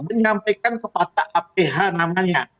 menyampaikan kepada aph namanya